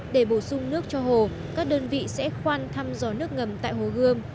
để bổ sung nước cho hồ các đơn vị sẽ khoan thăm dò nước ngầm tại hồ gươm